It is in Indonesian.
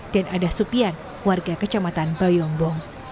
dan adah supian warga kecamatan bayombong